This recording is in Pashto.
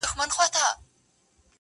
جهاني به له لکړي سره ځوان سي! !